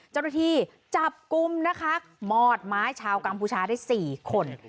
เจ้าหน้าที่จับกลุ่มนะคะมอดไม้ชาวกัมพูชาได้๔คน